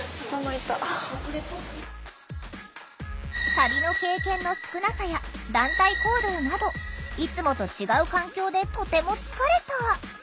旅の経験の少なさや団体行動などいつもと違う環境でとても疲れた。